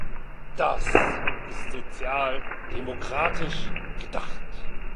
Das ist sozialdemokratisch gedacht.